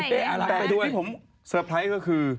แต่ด้วยผมเซอร์ไพรส์ก็คือ